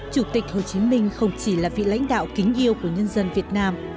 chủ tịch hồ chí minh không chỉ là vị lãnh đạo kính yêu của nhân dân việt nam